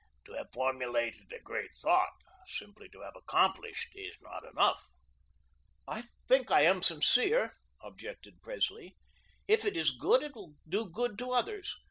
To have formulated a great thought, simply to have accomplished, is not enough." "I think I am sincere," objected Presley. "If it is good it will do good to others.